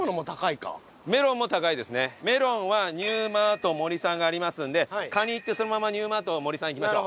メロンは「ニューマート・モリ」さんがありますんでカニ行ってそのまま「ニューマート・モリ」さん行きましょう。